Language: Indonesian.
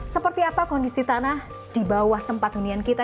seperti apa kondisi tanah di bawah tempat hunian kita